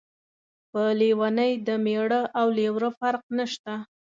په لیونۍ د مېړه او لېوره فرق نشته.